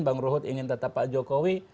bang ruhut ingin tetap pak jokowi